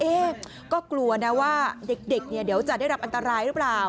ก็กลัวนะว่าเด็กเนี่ยเดี๋ยวจะได้รับอันตรายหรือเปล่า